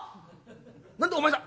何だいお前さん